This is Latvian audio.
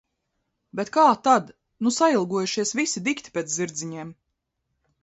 Bet kā tad... Nu sailgojušies visi dikti pēc zirdziņiem.